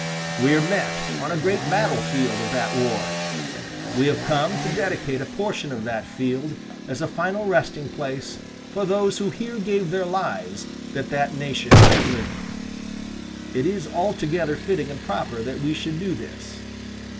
We are met on a great battle field of that war. We have come to dedicate a portion of that field as a final resting place for those who here gave their lives that that nation might live. It is altogether fitting and proper that we should do this.